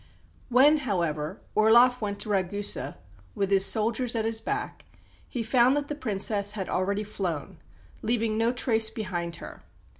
When, however, Orloff went to Ragusa, with his soldiers at his back, he found that the Princess had already flown, leaving no trace behind her.